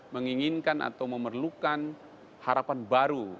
menginginkan atau memerlukan harapan baru